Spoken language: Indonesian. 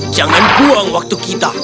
jangan buang waktu kita